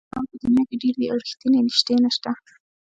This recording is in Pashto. دروغجن په دنیا کې ډېر دي او رښتیني نژدې نشته.